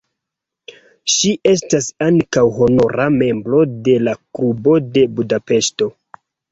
Ŝi estas ankaŭ honora membro de la Klubo de Budapeŝto.